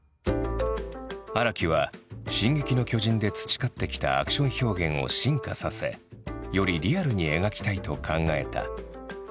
荒木は「進撃の巨人」で培ってきたアクション表現を進化させよりリアルに描きたいと考えた。